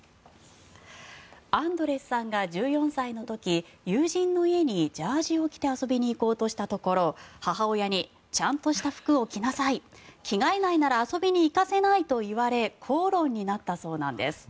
アンドレスさんが１４歳の時友人の家にジャージーを着て遊びに行こうとしたところ母親にちゃんとした服を着なさい着替えないなら遊びに行かせないと言われ口論になったそうなんです。